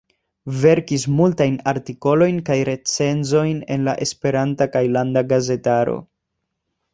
Verkis multajn artikolojn kaj recenzojn en la esperanta kaj landa gazetaro.